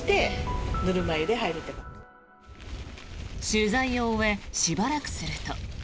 取材を終えしばらくすると。